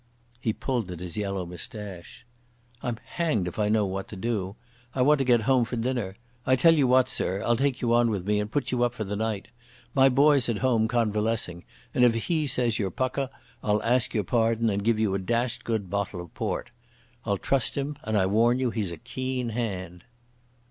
He pulled at his yellow moustache. "I'm hanged if I know what to do. I want to get home for dinner. I tell you what, sir, I'll take you on with me and put you up for the night. My boy's at home, convalescing, and if he says you're pukka I'll ask your pardon and give you a dashed good bottle of port. I'll trust him and I warn you he's a keen hand."